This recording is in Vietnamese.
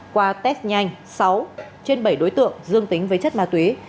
qua test nhanh sáu trên bảy đối tượng dương tính với chất ma túy